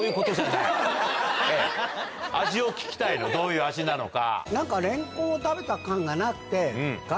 味を聞きたいのどういう味なのか。